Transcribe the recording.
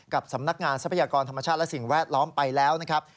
กับสำนักงานทรัพยากรธรรมชาติและสิ่งแวดล้อมไปแล้วนะครับ